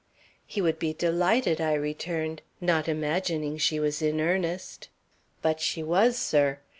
"'He would be delighted,' I returned, not imagining she was in earnest. But she was, sir.